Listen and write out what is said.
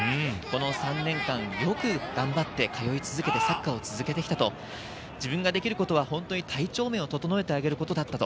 ３年間よく頑張って通い続けてサッカーを続けてきたと、自分ができることは本当に体調面を整えてあげることだったと。